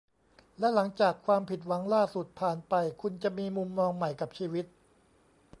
และหลังจากความผิดหวังล่าสุดผ่านไปคุณจะมีมุมมองใหม่กับชีวิต